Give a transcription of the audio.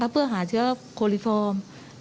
เพื่อหาเชื้อโคลิฟอร์ม